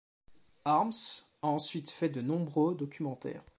Harms a ensuite fait de nombreux documentaires.